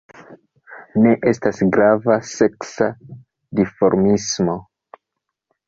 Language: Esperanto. Ne estas grava seksa dimorfismo.